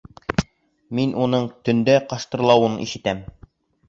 Мин уның төндә ҡыштырлауын ишетәм.